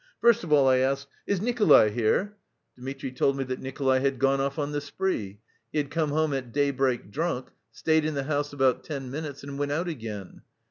First of all I asked, "Is Nikolay here?" Dmitri told me that Nikolay had gone off on the spree; he had come home at daybreak drunk, stayed in the house about ten minutes, and went out again.